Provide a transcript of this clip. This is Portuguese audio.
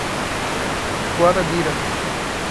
Guarabira